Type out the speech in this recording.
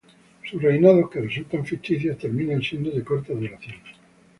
Sus reinados, que resultan ficticios, terminan siendo de corta duración.